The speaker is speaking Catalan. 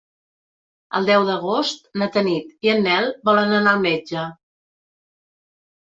El deu d'agost na Tanit i en Nel volen anar al metge.